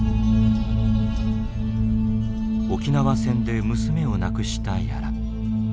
沖縄戦で娘を亡くした屋良。